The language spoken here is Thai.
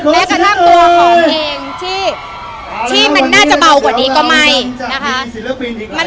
แม้กระทั่งตัวของเองที่มันน่าจะเบากว่านี้ก็ไม่นะคะ